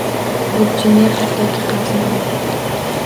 Burchi ne, hattoki qarzin unutdi –